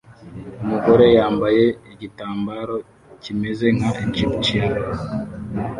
Umugore yambaye igitambaro kimeze nka Egytian